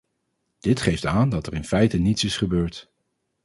Dit geeft aan dat er in feite niets is gebeurd.